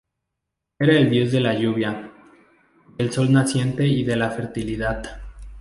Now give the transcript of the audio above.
Era el dios de la lluvia, del sol naciente y de la fertilidad.